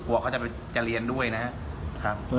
เขาจะเรียนด้วยนะครับ